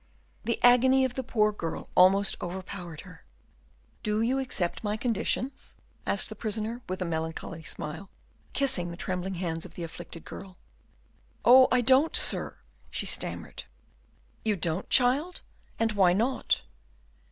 The agony of the poor girl almost overpowered her. "Do you accept my conditions?" asked the prisoner, with a melancholy smile, kissing the trembling hands of the afflicted girl. "Oh, I don't know, sir," she stammered. "You don't know, child, and why not?"